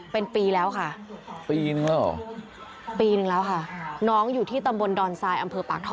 เป็นปีแล้วค่ะปีนึงแล้วเหรอปีนึงแล้วค่ะน้องอยู่ที่ตำบลดอนทรายอำเภอปากท่อ